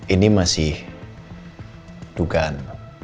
ini masih dugaan